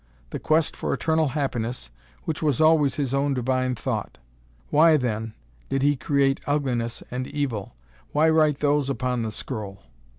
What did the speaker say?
The quest for Eternal Happiness, which was always His Own Divine Thought. Why, then, did He create ugliness and evil? Why write those upon the scroll?